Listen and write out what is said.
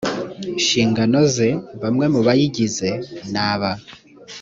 nshingano ze bamwe mu bayigize ni aba